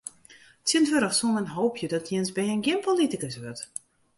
Tsjintwurdich soe men hoopje dat jins bern gjin politikus wurdt.